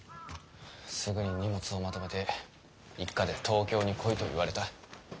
すぐに荷物をまとめて一家で東京に来いと言われた。